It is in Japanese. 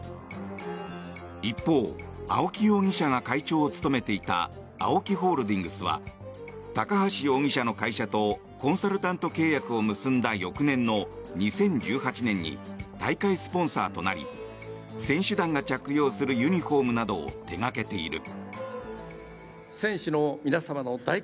一方、青木容疑者が会長を務めていたＡＯＫＩホールディングスは高橋容疑者の会社とコンサルタント契約を結んだ翌年の２０１８年に大会スポンサーとなり選手団が着用するユニホームなどを手掛けている。